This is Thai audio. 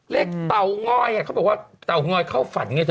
เตาง้อยเขาบอกว่าเตางอยเข้าฝันไงเธอ